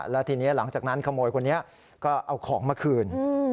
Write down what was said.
แล้วทีนี้หลังจากนั้นขโมยคนนี้ก็เอาของมาคืน